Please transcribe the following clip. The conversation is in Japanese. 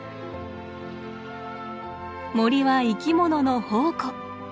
森は生き物の宝庫。